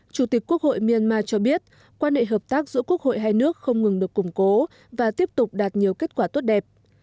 chủ tịch quốc hội myanmar cho biết quan hệ hợp tác giữa quốc hội hai nước không ngừng được củng cố và tiếp tục đạt nhiều kết quả tốt đẹp